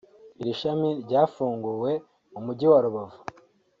Iri shami ryafunguwe mu mujyi wa Rubavu